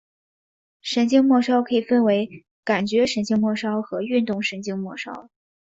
神经末梢可以分为感觉神经末梢和运动神经末梢。